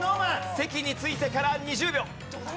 席についてから２０秒。